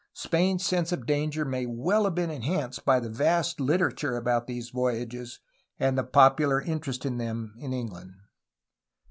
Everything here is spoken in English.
Spain^s sense of danger may well have been enhanced by the vast literature about these voyages and the popular interest in them in England.